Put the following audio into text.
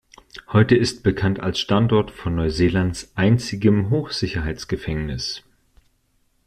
Heute ist bekannt als Standort von Neuseelands einzigen Hochsicherheitsgefängnis.